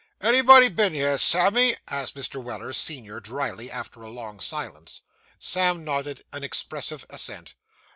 'Anybody been here, Sammy?' asked Mr. Weller, senior, dryly, after a long silence. Sam nodded an expressive assent.